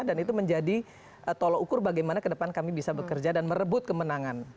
dan itu menjadi tolak ukur bagaimana ke depan kami bisa bekerja dan merebut kemenangan